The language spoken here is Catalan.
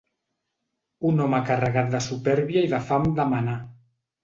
Un home carregat de supèrbia i de fam de manar.